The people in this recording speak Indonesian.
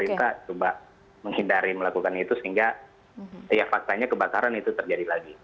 pemerintah coba menghindari melakukan itu sehingga ya faktanya kebakaran itu terjadi lagi